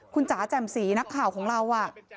คุณจ๋าแจ่มสีนักข่าวของเรา